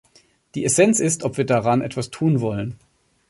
Die Essenz ist, ob wir daran etwas tun wollen .